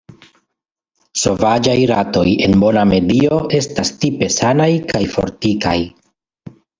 Sovaĝaj ratoj en bona medio estas tipe sanaj kaj fortikaj.